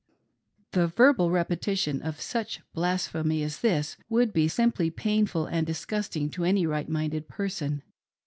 The verbal repetition of such blasphemy as this would be simply painful and disgusting to any right minded person.